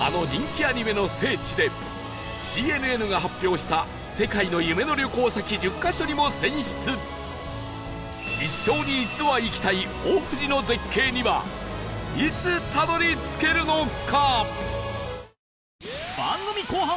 あの人気アニメの聖地で ＣＮＮ が発表した世界の夢の旅行先１０カ所にも選出一生に一度は行きたい大藤の絶景にはいつたどり着けるのか？